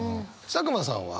佐久間さんは？